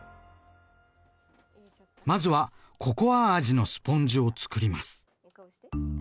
まずは「ココア味のスポンジ」をつくります。